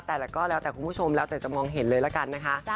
แต่ก็แล้วแต่คุณผู้ชมแล้วแต่จะมองเห็นเลยละกันนะคะ